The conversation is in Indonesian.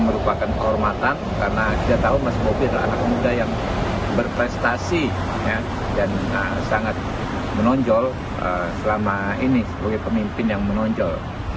merupakan kehormatan karena kita tahu mas bobi adalah anak muda yang berprestasi dan sangat menonjol selama ini sebagai pemimpin yang menonjol